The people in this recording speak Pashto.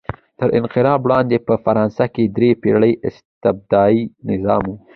تر انقلاب وړاندې په فرانسه کې درې پېړۍ استبدادي نظام و.